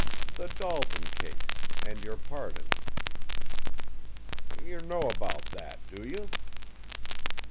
"The Dalton case and your part in it." "You know about that, do you?"